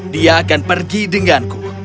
dia akan pergi denganku